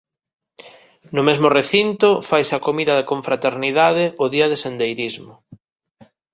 No mesmo recinto faise a comida de confraternidade o día de sendeirismo.